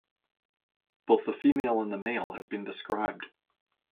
Both the female and the male have been described.